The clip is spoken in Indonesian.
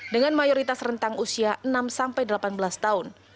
dengan mayoritas rentang usia enam delapan belas tahun